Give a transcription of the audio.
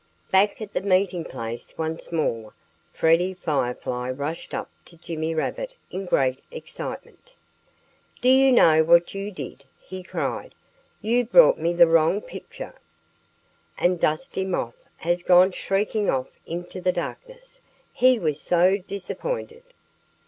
Back at the meeting place once more, Freddie Firefly rushed up to Jimmy Rabbit in great excitement. "Do you know what you did?" he cried. "You brought me the wrong picture. And Dusty Moth has gone shrieking off into the darkness, he was so disappointed.